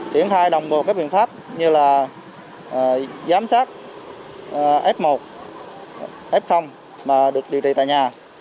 triển khai đồng bộ các biện pháp như là giám sát f một f mà được điều trị tại nhà